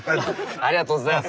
ありがとうございます。